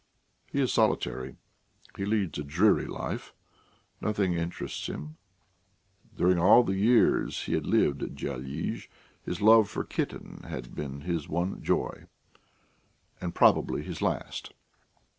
He is solitary. He leads a dreary life; nothing interests him. During all the years he had lived at Dyalizh his love for Kitten had been his one joy, and probably his last.